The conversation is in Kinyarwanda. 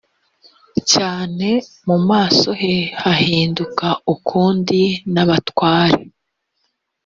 cyane mu maso he hahinduka ukundi n abatware